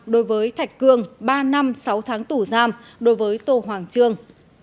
đối với thạch cương ba năm sáu tháng tù giam đối với tô hoàng trương